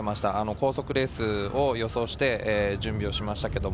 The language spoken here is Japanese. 高速レースを予想して準備しました。